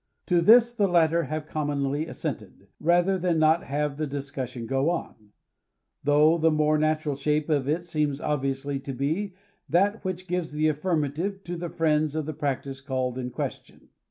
To this the latter have commonly assented, rather than not have the discussion go on ; though the more natural shape of it seems obviously to' be that ^which gives the affirmative to the friends of the practice called in question.